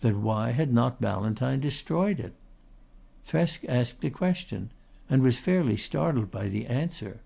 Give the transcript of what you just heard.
Then why had not Ballantyne destroyed it? Thresk asked the question and was fairly startled by the answer.